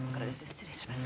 失礼します。